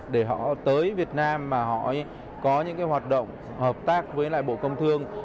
để họ tới việt nam mà họ có những cái hoạt động hợp tác với lại bộ công thương